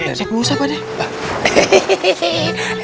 ustaz musa apa deh